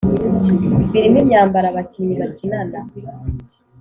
birimo imyambaro abakinnyi bakinana